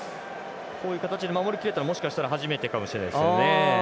こういう形で守りきれたのはもしかしたら初めてかもしれないですね。